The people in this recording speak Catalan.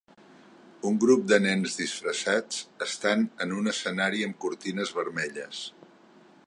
Un grup de nens disfressats estan en un escenari amb cortines vermelles.